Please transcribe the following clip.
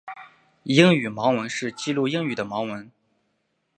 英语盲文是记录英语的盲文。